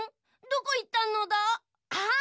どこいったのだ？あっ！